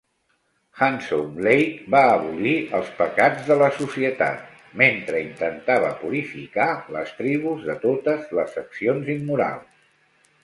Handsome Lake va abolir els pecats de la societat, mentre intentava purificar les tribus de totes les accions immorals.